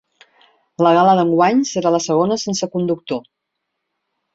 La gala d’enguany serà la segona sense conductor.